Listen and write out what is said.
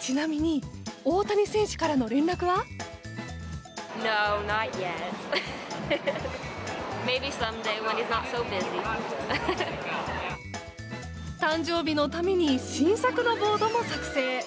ちなみに大谷選手からの連絡は？誕生日のために新作のボードも作成。